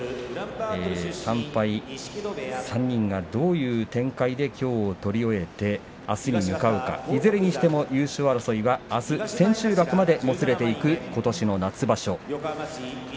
３敗、３人がどういう展開できょう取り終えてあすに向かうのかいずれにしても優勝争いはあす千秋楽までもつれていく、ことしの夏場所。